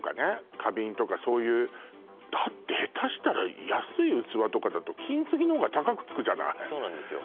花瓶とかそういうだって下手したら安い器とかだと金継ぎのほうが高くつくじゃないそうなんですよ